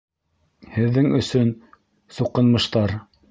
Һеҙҙең өсөн, суҡынмыштар!